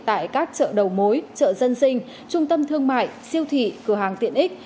tại các chợ đầu mối chợ dân sinh trung tâm thương mại siêu thị cửa hàng tiện ích